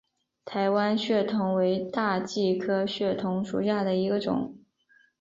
台湾血桐为大戟科血桐属下的一个种。